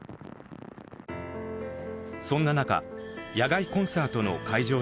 そんな中野外コンサートの会場